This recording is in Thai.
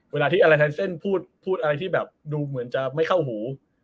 เวลาที่แฮนเซ็นซ์พูดอะไรที่ดูเหมือนจะไม่เข้าหู